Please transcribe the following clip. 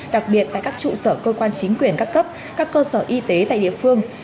đặc biệt tại các trụ sở cơ quan chính quyền các cấp các cơ sở y tế tại địa phương